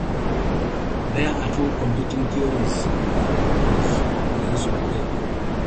There are two competing theories for his place of birth.